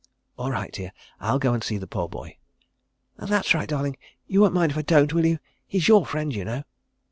"All right, dear. I'll go and see the poor boy." "That's right, darling. You won't mind if I don't, will you? ... He's your friend, you know."